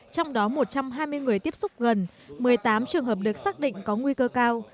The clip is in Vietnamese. trong đó một trăm hai mươi người tiếp xúc gần một mươi tám trường hợp được xác định có nguy cơ cao